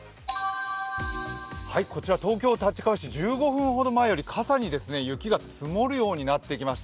こちら、東京・立川市、１５分ほど前より傘に雪が積もるようになってきました。